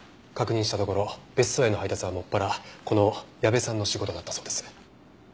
確認したところ別荘への配達はもっぱらこの矢部さんの仕事だったそうです。